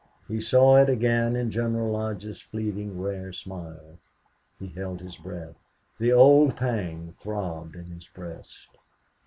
He saw it again in General Lodge's fleeting, rare smile. He held his breath. The old pang throbbed in his breast.